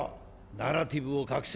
「ナラティブを隠せ。